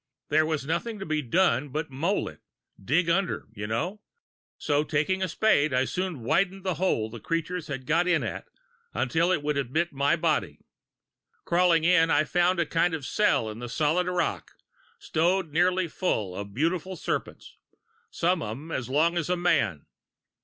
There was nothing to be done but mole it dig under, you know; so taking the spade I soon widened the hole the creatures had got in at, until it would admit my body. Crawling in, I found a kind of cell in the solid rock, stowed nearly full of beautiful serpents, some of them as long as a man.